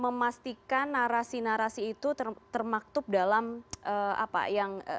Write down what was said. memastikan narasi narasi itu termaktub dalam apa yang